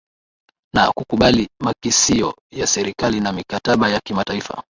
na kukubali makisio ya serikali na mikataba ya kimataifa